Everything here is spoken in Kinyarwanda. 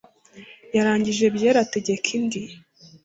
yarangije byeri ategeka indi